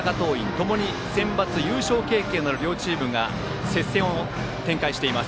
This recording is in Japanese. ともにセンバツ優勝経験のある両チームが接戦を展開しています。